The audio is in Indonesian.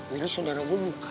willy saudara gue buka